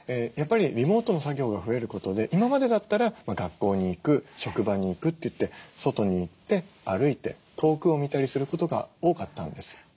やっぱりリモートの作業が増えることで今までだったら学校に行く職場に行くといって外に行って歩いて遠くを見たりすることが多かったんです。